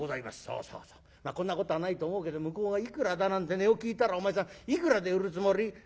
まあこんなことはないと思うけど向こうがいくらだなんて値を聞いたらお前さんいくらで売るつもり？」。